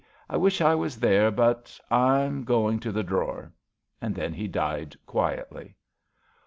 ^* I wish I was there, but — ^I 'm — going to the drawer/' Then he died quietly.